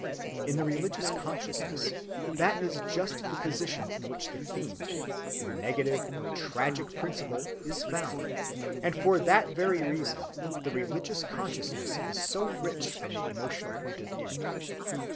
In the religious consciousness, that is just the position in which the fiend, the negative or tragic principle, is found; and for that very reason the religious consciousness is so rich from the emotional point of view.